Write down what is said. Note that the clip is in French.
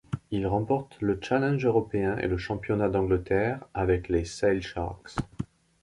Il remporte le Challenge européen et le Championnat d'Angleterre avec les Sale Sharks.